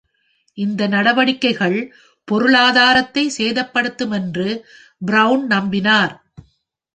இந்த நடவடிக்கைகள் பொருளாதாரத்தை சேதப்படுத்தும் என்று பிரவுன் நம்பினார்.